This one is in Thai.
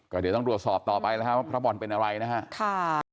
ก็เดี๋ยวต้องรวบสอบต่อไปนะฮะ